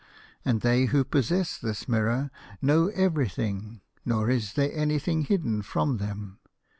And they who possess this mirror know everything, nor is there anything hidden from them.